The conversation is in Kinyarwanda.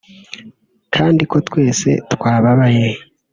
kandi ko twese twababaye